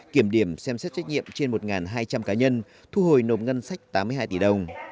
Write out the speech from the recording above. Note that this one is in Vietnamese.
kiểm điểm xem xét trách nhiệm trên một hai trăm linh cá nhân thu hồi nộp ngân sách tám mươi hai tỷ đồng